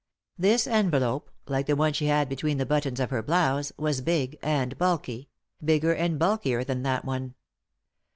This envelope, like the one she had between the buttons of her blouse, was big and bulky ; bigger and bulkier than that one.